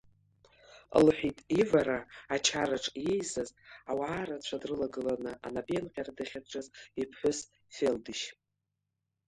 Лхәеит ивара ачараҿ иеизаз ауаарацәа дрылагыланы анапеинҟьара дахьаҿыз иԥҳәыс Фелдышь.